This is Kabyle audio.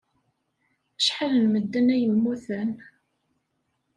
Acḥal n medden ay yemmuten?